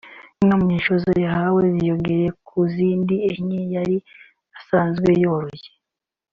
Inka Munyanshoza yahawe ziyongereye ku zindi enye yari asanzwe yoroye